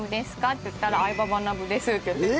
って言ったら『相葉マナブ』ですって言ってて。